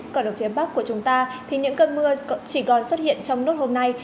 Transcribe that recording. còn ở phía bắc của chúng ta thì những cơn mưa chỉ còn xuất hiện trong nốt hôm nay